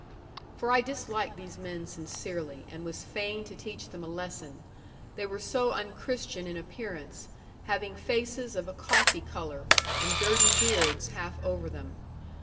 For I disliked these men sincerely, and was fain to teach them a lesson; they were so unchristian in appearance, having faces of a coffee colour, and dirty beards half over them.